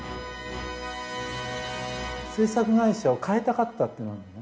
制作会社を変えたかったっていうのがあるのね。